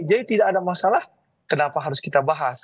jadi tidak ada masalah kenapa harus kita bahas